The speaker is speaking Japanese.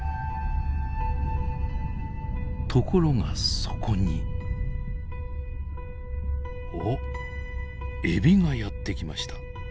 ところがそこにおっエビがやって来ました。